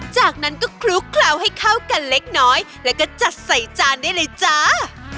จากนั้นก็คลุกเคล้าให้เข้ากันเล็กน้อยแล้วก็จัดใส่จานได้เลยจ้า